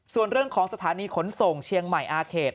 ส่วนเรื่องของสถานีขนส่งเชียงใหม่อาเขต